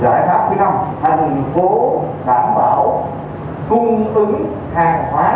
giải pháp thứ năm thành phố đảm bảo cung ứng hàng hóa